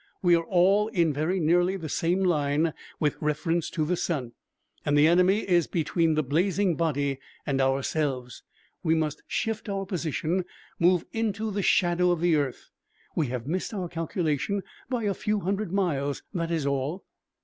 "We are all in very nearly the same line with reference to the sun, and the enemy is between the blazing body and ourselves. We must shift our position, move into the shadow of the earth. We have missed our calculation by a few hundred miles, that is all."